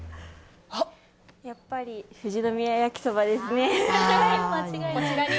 やっぱり、富士宮やきそばですね